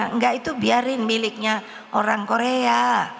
enggak itu biarin miliknya orang korea